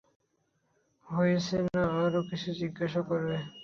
হয়েছে না আর কিছু জিজ্ঞাসা করবে?